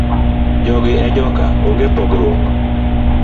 Jogi e joka onge pogruok.